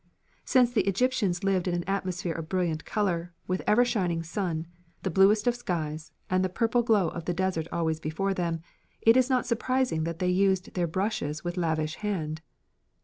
Since the Egyptians lived in an atmosphere of brilliant colour, with ever shining sun, the bluest of skies, and the purple glow of the desert always before them, it is not surprising that they used their brushes with lavish hand.